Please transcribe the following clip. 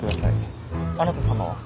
あなた様は？